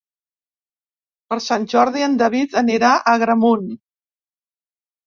Per Sant Jordi en David anirà a Agramunt.